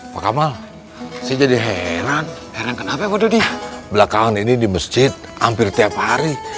pak kamal saya jadi heran heran kenapa ibu di belakang ini di masjid hampir tiap hari